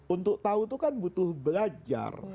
untuk tahu itu kan butuh belajar